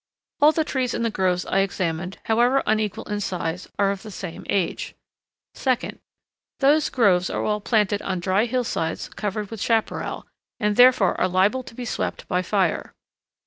All the trees in the groves I examined, however unequal in size, are of the same age. 2d. Those groves are all planted on dry hillsides covered with chaparral, and therefore are liable to be swept by fire.